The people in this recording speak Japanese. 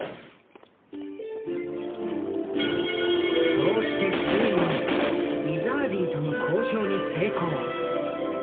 そうしてついにイザーディとの交渉に成功。